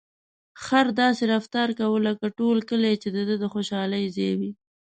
خر داسې رفتار کاوه لکه ټول کلي چې د ده د خوشحالۍ ځای وي.